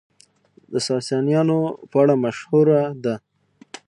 د ساسانيانو په اړه مشهوره ده،